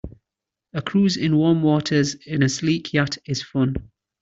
A cruise in warm waters in a sleek yacht is fun.